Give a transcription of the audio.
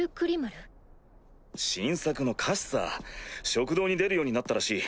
新作の菓子さ食堂に出るようになったらしい。